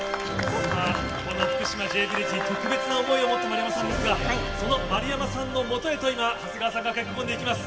さあ、この福島Ｊヴィレッジに特別な想いを持った丸山さんですが、その丸山さんのもとへと今、長谷川さんが駆け込んできます。